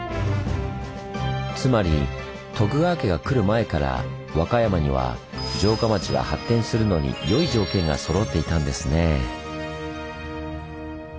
つまり徳川家が来る前から和歌山には城下町が発展するのによい条件がそろっていたんですねぇ。